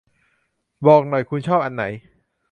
บอกหน่อย คุณชอบอันไหน